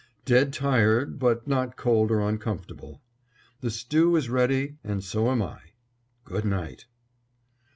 Dead tired, but not cold or uncomfortable. The stew is ready and so am I. Goodnight!